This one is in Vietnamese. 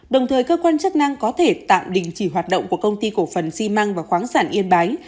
đồng thời cơ quan chức năng có thể tạm đình chỉ hoạt động của công ty cổ phần xi măng và khoáng sản yên bái